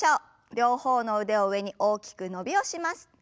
両方の腕を上に大きく伸びをします。